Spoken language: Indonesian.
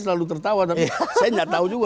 selalu tertawa tapi saya nggak tahu juga